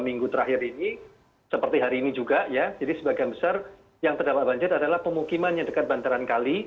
minggu terakhir ini seperti hari ini juga ya jadi sebagian besar yang terdapat banjir adalah pemukiman yang dekat bantaran kali